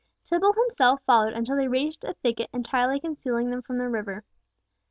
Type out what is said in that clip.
Tibble himself followed until they reached a thicket entirely concealing them from the river.